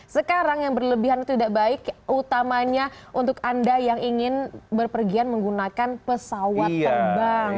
sekarang yang berlebihan itu tidak baik utamanya untuk anda yang ingin berpergian menggunakan pesawat terbang